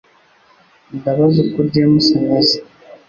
Ndabaza uko James ameze